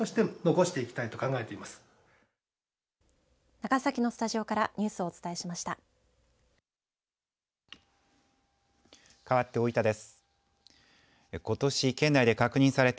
長崎のスタジオからニュースをお伝えしました。